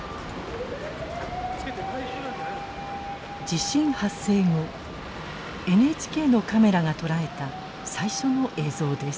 地震発生後ＮＨＫのカメラが捉えた最初の映像です。